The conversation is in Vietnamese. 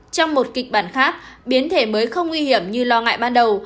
trong một kịch bản khác biến thể mới không nguy hiểm như lo ngại ban đầu